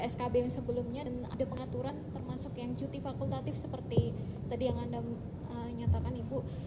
skb yang sebelumnya dan ada pengaturan termasuk yang cuti fakultatif seperti tadi yang anda nyatakan ibu